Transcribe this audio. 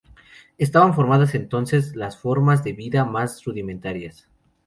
Estaban formadas entonces las formas de vida más rudimentarias.